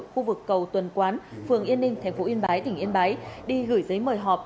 khu vực cầu tuần quán phường yên ninh tp yên bái tỉnh yên bái đi gửi giấy mời họp